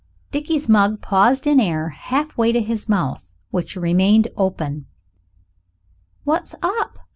Dickie's mug paused in air half way to his mouth, which remained open. "What's up?"